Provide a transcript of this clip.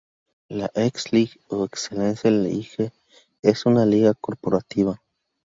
La X League, o Excellence League, es una liga corporativa.